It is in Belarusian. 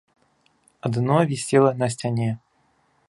Адно вісела на сцяне.